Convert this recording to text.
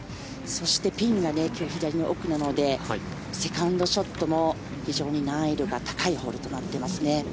そしてピンが今日、左の奥なのでセカンドショットも非常に難易度が高いホールとなっていますね。